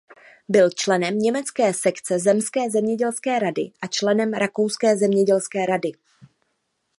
Byl členem německé sekce zemské zemědělské rady a členem rakouské zemědělské rady.